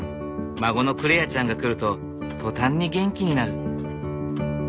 孫の來愛ちゃんが来ると途端に元気になる。